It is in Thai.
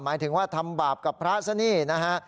หมายถึงว่าทำบาปกับพระซะนี่นะฮะ